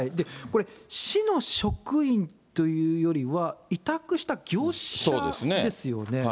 これ、市の職員というよりは、委託した業者ですよね。